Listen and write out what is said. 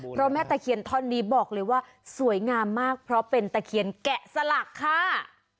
เพราะแม่ตะเคียนท่อนนี้บอกเลยว่าสวยงามมากเพราะเป็นตะเคียนแกะสลักค่ะ